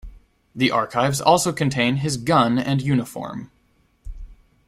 The archives also contain his gun and uniform.